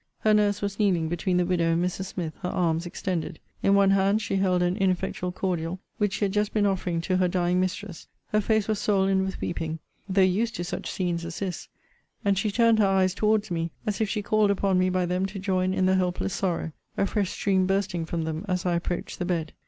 Her nurse was kneeling between the widow and Mrs. Smith, her arms extended. In one hand she held an ineffectual cordial, which she had just been offering to her dying mistress; her face was swoln with weeping (though used to such scenes as this); and she turned her eyes towards me, as if she called upon me by them to join in the helpless sorrow; a fresh stream bursting from them as I approached the bed.